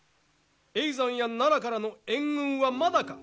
叡山や奈良からの援軍はまだか！